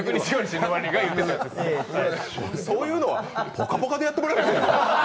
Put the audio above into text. そういうのは「ぽかぽか」でやってもらえませんか？